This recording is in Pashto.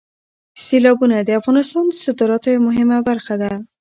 سیلابونه د افغانستان د صادراتو یوه مهمه برخه ده.